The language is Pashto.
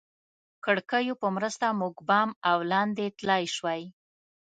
کړکیو په مرسته موږ بام او لاندې تلای شوای.